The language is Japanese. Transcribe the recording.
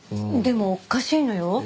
でもおかしいのよ。